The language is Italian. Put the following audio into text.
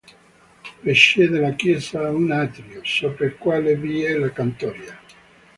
Precede la chiesa un atrio, sopra il quale vi è la cantoria.